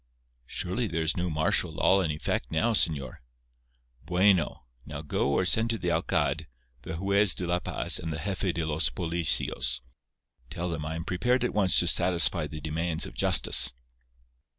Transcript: "Surely there is no martial law in effect now, señor." "Bueno. Now go or send to the alcalde, the Jues de la Paz and the Jefe de los Policios. Tell them I am prepared at once to satisfy the demands of justice."